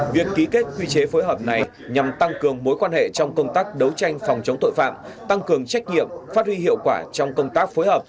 việc ký kết quy chế phối hợp này nhằm tăng cường mối quan hệ trong công tác đấu tranh phòng chống tội phạm tăng cường trách nhiệm phát huy hiệu quả trong công tác phối hợp